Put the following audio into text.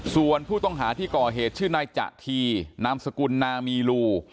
ส่วนผู้ต้องหาที่ก่อเหตุชื่อนายจะทีนามสกุลนามีลู